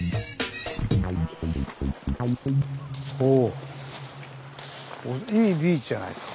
ほういいビーチじゃないですか。